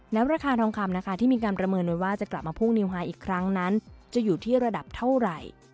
แล้วราคาทองคำนะคะที่มีการประเมินไว้ว่าจะกลับมาพุ่งนิวไฮอีกครั้งนั้นจะอยู่ที่ระดับเท่าไหร่